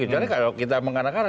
soalnya kalau kita mengarah angarah